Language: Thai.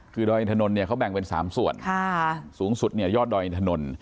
คือดอยอินทนนทเนี่ยเขาแบ่งเป็น๓ส่วนสูงสุดเนี่ยยอดดอยอินถนน